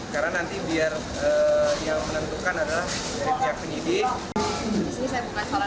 karena nanti biar yang menentukan adalah dari pihak penyidik